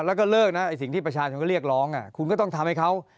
แล้วก็เลิกนะไอ้สิ่งที่ประชาชนก็เรียกร้องคุณก็ต้องทำให้เขา